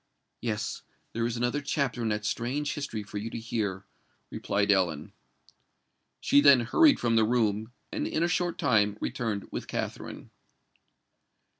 "Yes—there is another chapter in that strange history for you to hear," replied Ellen. She then hurried from the room, and in a short time returned with Katherine.